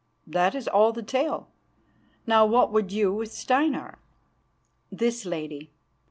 That is all the tale. Now what would you with Steinar?" "This, Lady.